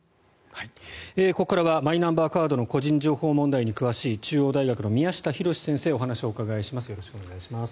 ここからはマイナンバーカードの個人情報保護問題に詳しい中央大学の宮下紘先生にお話をお伺いします。